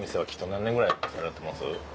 何年ぐらいされてます？